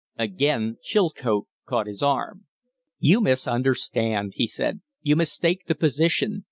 Again Chilcote caught his arm. "You misunderstand," he said. "You mistake the position.